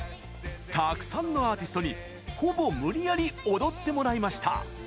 たくさんのアーティストにほぼ無理やり踊ってもらいました。